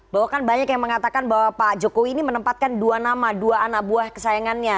bahwa kan banyak yang mengatakan bahwa pak jokowi ini menempatkan dua nama dua anak buah kesayangannya